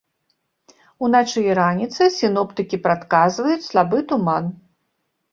Уначы і раніцай сіноптыкі прадказваюць слабы туман.